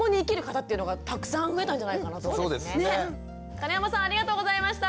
金濱さんありがとうございました。